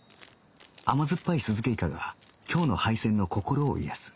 甘酸っぱい酢漬けイカが今日の敗戦の心を癒やす